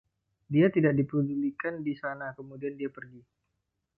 Dia tidak dipedulikan di sana kemudian dia pergi.